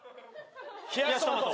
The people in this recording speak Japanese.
冷やしトマト。